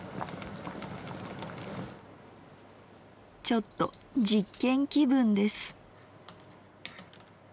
ちょっと実験気分です。